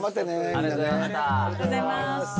ありがとうございます。